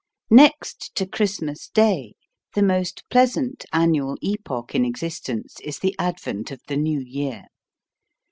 NEXT to Christmas Day, the most pleasant annual epoch in existence is the advent of the New Year.